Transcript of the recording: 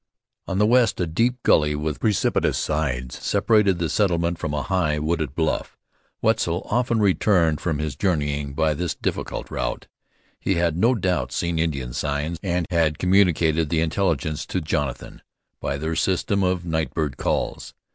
On the west a deep gully with precipitous sides separated the settlement from a high, wooded bluff. Wetzel often returned from his journeying by this difficult route. He had no doubt seen Indian signs, and had communicated the intelligence to Jonathan by their system of night bird calls.